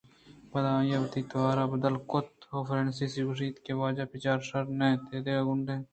پدا آئیءَ وتی توار بدل کُت ءُفرانسیسیءَ گوٛشت کہ واجہ بچار شر نہ اِنت ادا گونڈ و ہم اوشتاتگ اَنت